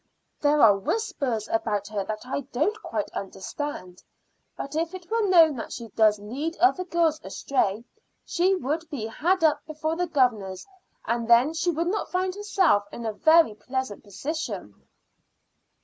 "There are whispers about her that I don't quite understand. But if it were known that she does lead other girls astray, she would be had up before the governors, and then she would not find herself in a very pleasant position."